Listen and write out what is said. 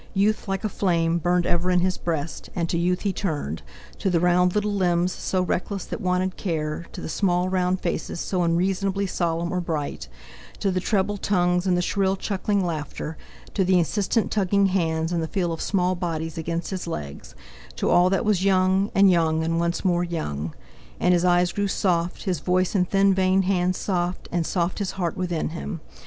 Youth, like a flame, burned ever in his breast, and to youth he turned, to the round little limbs, so reckless, that wanted care, to the small round faces so unreasonably solemn or bright, to the treble tongues, and the shrill, chuckling laughter, to the insistent tugging hands, and the feel of small bodies against his legs, to all that was young and young, and once more young. And his eyes grew soft, his voice, and thin veined hands soft, and soft his heart within him.